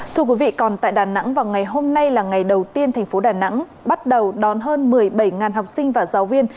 thưa quý vị còn tại đà nẵng vào ngày hôm nay là ngày đầu tiên thành phố đà nẵng bắt đầu đón hơn một mươi bảy học sinh và giáo viên